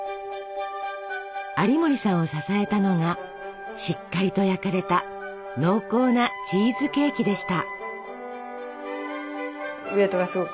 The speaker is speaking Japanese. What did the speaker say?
有森さんを支えたのがしっかりと焼かれた濃厚なチーズケーキでした。